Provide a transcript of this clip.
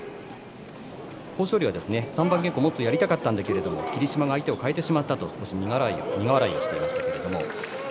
豊昇龍は三番稽古をもっとやりたかったんだけど霧島が相手をかえてしまったと苦笑いしていました。